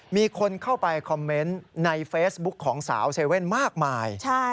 มีคนเข้าไปคอมเมนต์ในเฟซบุ๊คของสาวเซเว่นมากมาย